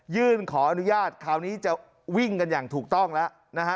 ยื่นขออนุญาตคราวนี้จะวิ่งกันอย่างถูกต้องแล้วนะฮะ